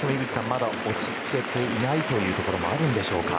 まだ落ち着けていないところはあるでしょうか。